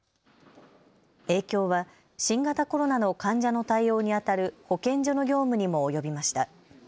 影響は新型コロナの患者の対応に当たる保健所の業務にも及びました。